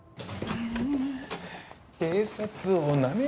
うん。